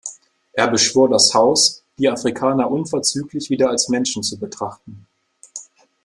Er beschwor das Haus, die Afrikaner unverzüglich wieder als Menschen zu betrachten.